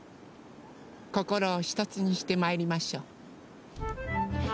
こころをひとつにしてまいりましょう。